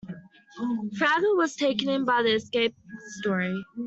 Frager was taken in by the escape story.